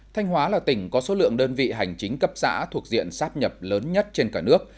thanh hóa là tỉnh có số lượng đơn vị hành chính cấp xã thuộc diện sáp nhập lớn nhất trên cả nước